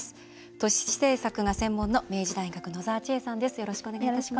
都市政策が専門の明治大学、野澤千絵さんです。